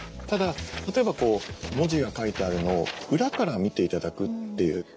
ただ例えば文字が書いてあるのを裏から見て頂くっていう。